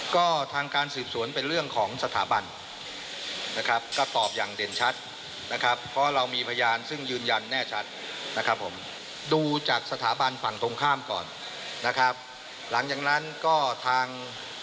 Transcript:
ก็ทางการสืบสวนเป็นเรื่องของสถาบันนะครับก็ตอบอย่างเด่นชัดนะครับเพราะเรามีพยานซึ่งยืนยันแน่ชัดนะครับผมดูจากสถาบันฝั่งตรงข้ามก่อนนะครับหลังจากนั้นก็ทาง